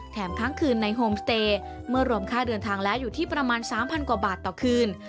ทั้งคืนในโฮมสเตย์เมื่อรวมค่าเดินทางแล้วอยู่ที่ประมาณ๓๐๐กว่าบาทต่อคืน